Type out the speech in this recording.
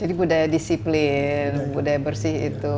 jadi budaya disiplin budaya bersih itu